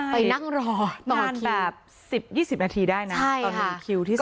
ไปนั่งรอตอนแบบ๑๐๒๐นาทีได้นะตอนมีคิวที่๒